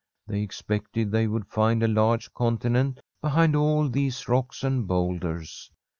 They expected they would find a large continent behind all these rocks and boulders.